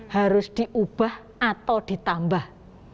harus diubah atau ditambah